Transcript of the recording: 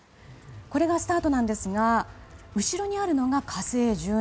これがスタートなんですが後ろにあるのが「火星１７」。